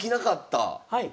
はい。